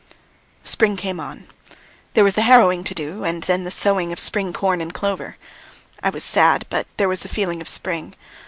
Spring came on. There was the harrowing to do and then the sowing of spring corn and clover. I was sad, but there was the feeling of spring.